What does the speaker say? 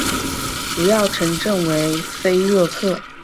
主要城镇为菲热克。